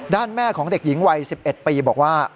แม่ของเด็กหญิงวัย๑๑ปีบอกว่า